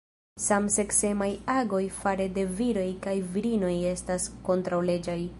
Samseksemaj agoj fare de viroj kaj virinoj estas kontraŭleĝaj.